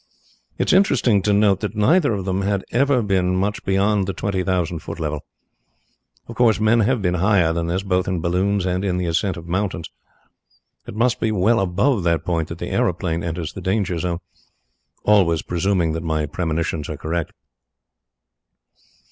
It is interesting to note that neither of them had ever been much beyond the twenty thousand foot level. Of course, men have been higher than this both in balloons and in the ascent of mountains. It must be well above that point that the aeroplane enters the danger zone always presuming that my premonitions are correct.